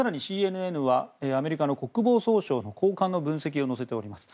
更にＣＮＮはアメリカの国防総省の高官の分析を載せております。